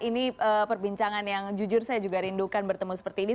ini perbincangan yang jujur saya juga rindukan bertemu seperti ini